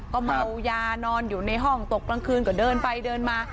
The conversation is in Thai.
ก็เมายานอนอยู่ในห้องตกกลางคืนก็เดินไปเดินมา